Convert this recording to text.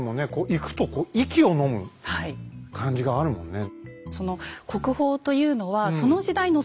行くと息をのむ感じがあるもんね。